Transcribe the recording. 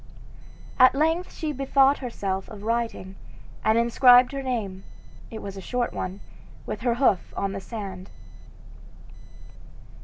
At length she bethought herself of writing, and inscribed her name it was a short one with her hoof on the sand.